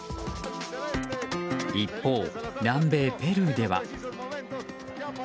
一方、南米ペルーでは。